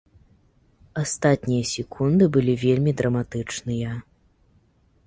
Астатнія секунды былі вельмі драматычныя.